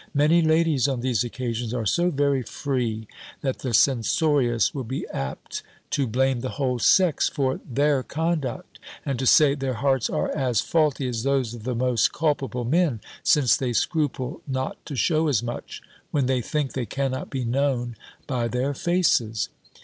Many ladies, on these occasions, are so very free, that the censorious will be apt to blame the whole sex for their conduct, and to say, their hearts are as faulty as those of the most culpable men, since they scruple not to shew as much, when they think they cannot be known by their faces.